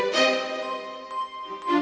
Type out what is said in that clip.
toolsnya udah gelar